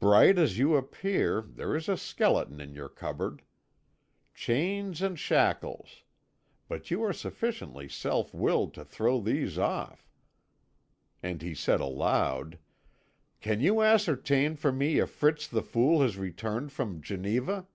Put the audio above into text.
"Bright as you appear, there is a skeleton in your cupboard. Chains and shackles! But you are sufficiently self willed to throw these off." And he said aloud: "Can you ascertain for me if Fritz the Fool has returned from Geneva?"